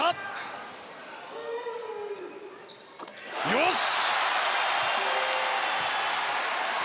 よし！